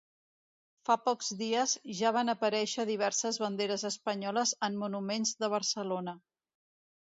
Fa pocs dies ja van aparèixer diverses banderes espanyoles en monuments de Barcelona.